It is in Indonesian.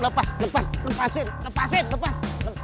lepas lepas lepasin lepasin lepas